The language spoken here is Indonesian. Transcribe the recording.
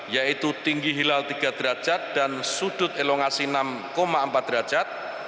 yaitu tinggi hilal tiga derajat dan sudut elongasi enam empat derajat